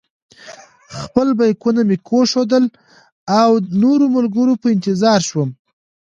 خپل بېکونه مې کېښودل او د نورو ملګرو په انتظار شوم.